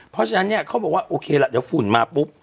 เพราะฉะนั้นเนี่ยเขาบอกว่าโอเคล่ะเดี๋ยวฝุ่นมาปุ๊บ